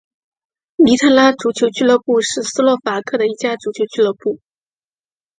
尼特拉足球俱乐部是斯洛伐克的一家足球俱乐部。